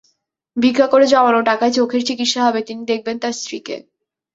ভিক্ষা করে জমানো টাকায় চোখের চিকিৎসা হবে, তিনি দেখবেন তাঁর স্ত্রীকে।